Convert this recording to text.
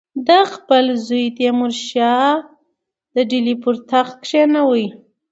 ده خپل زوی تیمورشاه به پر ډهلي تخت کښېنوي.